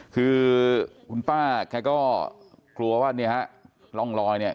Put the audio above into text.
คือคุณป้าแกก็กลัวว่าเนี่ยฮะร่องรอยเนี่ย